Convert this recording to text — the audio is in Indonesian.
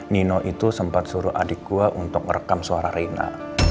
nino itu sempat suruh adik gue untuk merekam suara rina